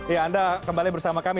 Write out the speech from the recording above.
ya anda kembali bersama kami